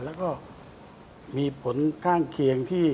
แล้วก็มีผลข้างเคียงที่